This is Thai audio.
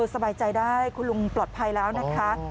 สบายใจได้คุณลุงปลอดภัยแล้วนะคะ